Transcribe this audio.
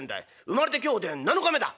生まれて今日で７日目だ」。